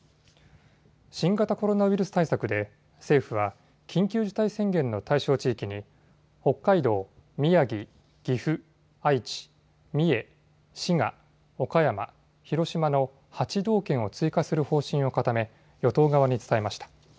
新型コロナウイルス対策で政府は緊急事態宣言の対象地域に北海道、宮城、岐阜、愛知、三重、滋賀、岡山、広島の８道県を追加する方針を固め与党側に伝えました。